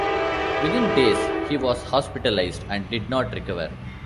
Within days, he was hospitalized, and did not recover.